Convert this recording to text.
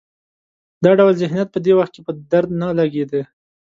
دا ډول ذهنیت په دې وخت کې په درد نه لګېده.